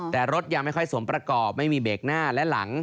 แต่รถยังไม่ค่อยสวมประกอบไม่มีเบรกหน้าและหลัง